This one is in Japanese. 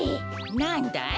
なんだい？